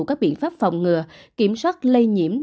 các biện pháp phòng ngừa kiểm soát lây nhiễm